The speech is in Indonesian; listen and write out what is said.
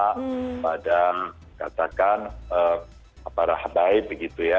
kepada katakan para habaib begitu ya